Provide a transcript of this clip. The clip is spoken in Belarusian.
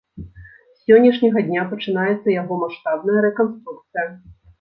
З сённяшняга дня пачынаецца яго маштабная рэканструкцыя.